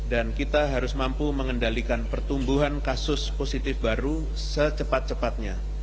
dan kita harus mampu mengendalikan pertumbuhan kasus positif baru secepat cepatnya